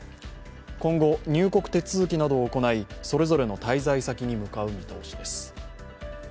今後、入国手続などを行い、それぞれの滞在先に向かう見通しです。